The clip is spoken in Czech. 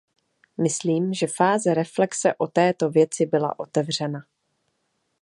Myslím, že fáze reflexe o této věci byla otevřena.